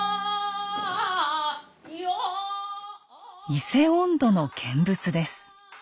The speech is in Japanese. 「伊勢音頭」の見物です。